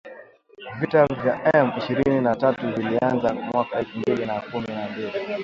Vita vya M ishirini na tatu vilianza mwaka elfu mbili na kumi na mbili